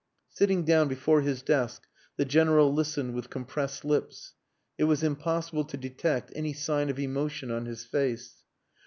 Sitting down before his desk the General listened with compressed lips. It was impossible to detect any sign of emotion on his face.